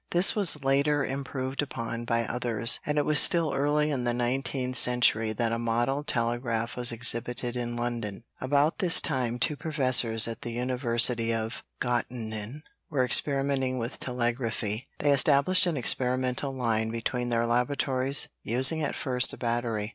This was later improved upon by others, and it was still early in the nineteenth century that a model telegraph was exhibited in London. About this time two professors at the University of Göttingen were experimenting with telegraphy. They established an experimental line between their laboratories, using at first a battery.